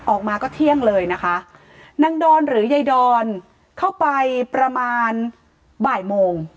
ออกมาก็เที่ยงเลยนะคะนางดอนหรือยายดอนเข้าไปประมาณบ่ายโมง